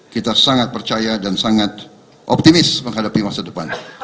kita sangat percaya dan sangat optimis menghadapi masa depan